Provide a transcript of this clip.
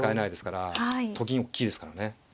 ２５秒。と金大きいですからね。